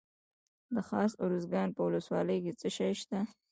د خاص ارزګان په ولسوالۍ کې څه شی شته؟